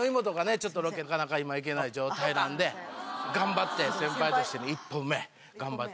ちょっとロケなかなか今行けない状態なんで頑張って先輩としても１本目頑張って。